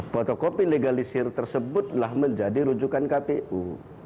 fotokopi legalisir tersebutlah menjadi rujukan kpu